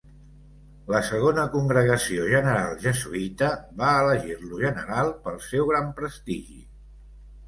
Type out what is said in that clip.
La segona congregació general jesuïta va elegir-lo general pel seu gran prestigi.